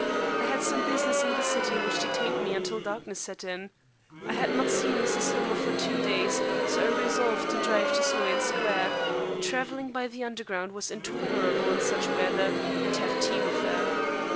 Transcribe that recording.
I had some business in the city which detained me until darkness set in. I had not seen Mrs. Hillmer for two days, so I resolved to drive to Sloane Square travelling by the Underground was intolerable in such weather and have tea with her.